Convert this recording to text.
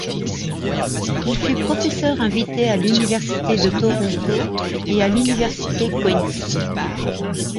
Il fut professeur invité à l'Université de Toronto et à l'Université Queen’s.